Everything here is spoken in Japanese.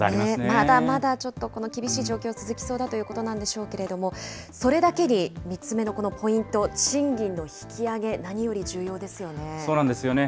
まだまだちょっと、この厳しい状況続きそうだということなんでしょうけれども、それだけに３つ目のこのポイント、賃金の引き上げ、何より重要ですよそうなんですよね。